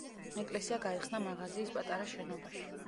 ეკლესია გაიხსნა მაღაზიის პატარა შენობაში.